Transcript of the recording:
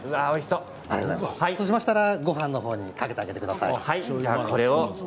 そうしましたらごはんのほうにかけてあげてください。